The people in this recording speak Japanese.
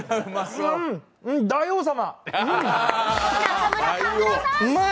大王様！